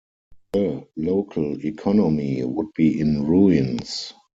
The local economy would be in ruins.